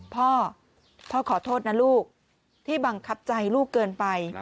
พ่อพ่อขอโทษนะลูกที่บังคับใจลูกเกินไป